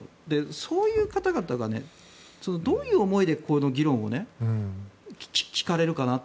そういう方々がどういう思いでこの議論を聞かれるかなって。